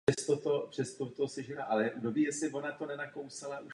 Jeho nejznámější role je Mike Chang v hudebním seriálu "Glee".